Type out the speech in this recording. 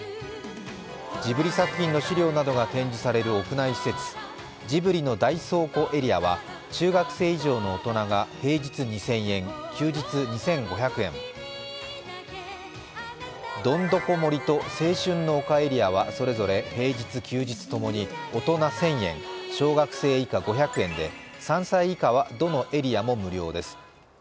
ジブリ作品の資料などが展示される屋内施設、ジブリの大倉庫エリアは、中学生以上の大人が平日２０００円、休日２５００円。どんどこ森と青春の丘エリアはそれぞれ平日・休日共に大人１０００円、小学生以下５００円で３歳以下はどのエリアも無料です。